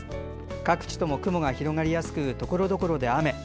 各地とも雲が広がりやすくところどころで雨。